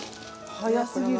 早すぎる。